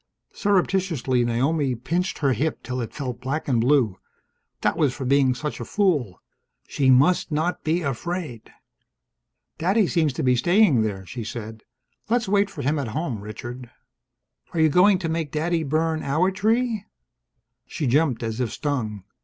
Surreptitiously Naomi pinched her hip till it felt black and blue. That was for being such a fool. She must not be afraid! "Daddy seems to be staying there," she said. "Let's wait for him at home, Richard." "Are you going to make Daddy burn our tree?" She jumped as if stung.